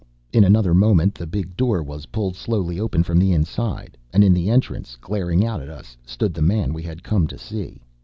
In another moment the big door was pulled slowly open from the inside, and in the entrance, glaring out at us, stood the man we had come to see.